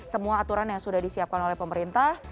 semua aturan yang sudah disiapkan oleh pemerintah